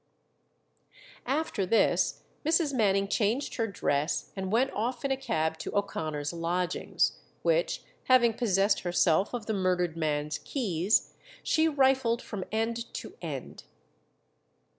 After this Mrs. Manning changed her dress and went off in a cab to O'Connor's lodgings, which, having possessed herself of the murdered man's keys, she rifled from end to end.